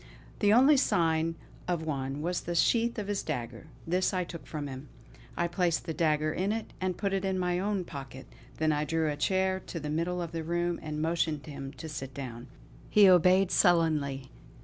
The only sign of one was the sheath of his dagger; this I took from him. I placed the dagger in it and put it in my own pocket; then I drew a chair to the middle of the room and motioned him to sit down. He obeyed sullenly.